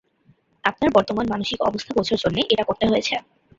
আপনার বর্তমান মানসিক অবস্থা বোঝার জন্যে এটা করতে হয়েছে।